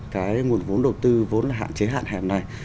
cái nguồn vốn đầu tư vốn hạn chế hạn hẹn này